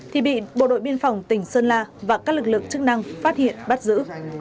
thì bị bộ đội biên phòng tỉnh sơn la và các lực lượng chức năng phát hiện bắt giữ